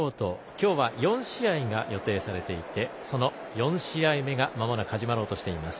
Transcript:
今日は４試合が予定されていてその４試合目がまもなく始まろうとしています。